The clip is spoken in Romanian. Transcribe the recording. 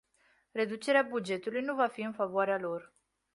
Reducerea bugetului nu va fi în favoarea lor.